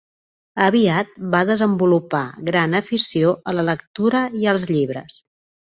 Aviat va desenvolupar gran afició a la lectura i als llibres.